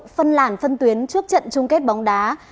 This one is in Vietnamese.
phân làn phân tuyến trước trận chung kết bóng đá